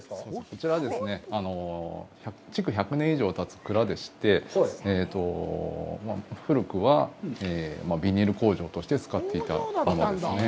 こちらはですね、築１００年以上たつ蔵でして、古くはビニール工場として使っていたものですね。